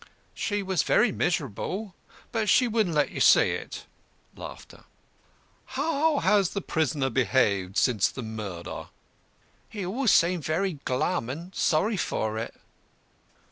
"She was very miserable, but she wouldn't let you see it." "How has the prisoner behaved since the murder?" "He always seemed very glum and sorry for it."